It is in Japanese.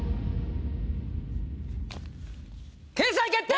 掲載決定！